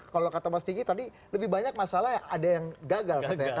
kalau kata mas diki tadi lebih banyak masalah ada yang gagal katanya